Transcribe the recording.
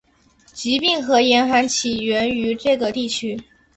疾病和严寒起源于这个地区。